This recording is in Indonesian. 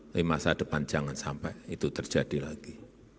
tapi masa depan jangan sampai itu terjadi lagi